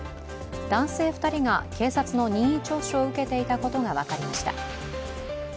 男性２人が警察の任意聴取を受けていたことが分かりました。